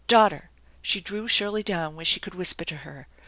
" Daughter !" she drew Shirley down where she could whisper to her.